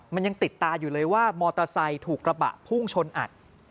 มันยังติดตาอยู่เลยว่ามอเตอร์ไซค์ถูกกระบะพุ่งชนอัด